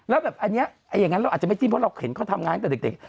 แล้วแบบอันนี้อย่างนั้นเราอาจจะไม่จิ้มเพราะเราเห็นเขาทำงานตั้งแต่เด็ก